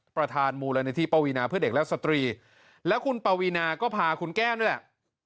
ประธานมูลนิธิปวีนาเพื่อเด็กและสตรีและคุณปวีนาก็พาคุณแก้วนี่แหละ